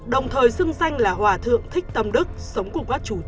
đồng thời dưng danh là hòa thượng thích tâm đức sống cùng các chủ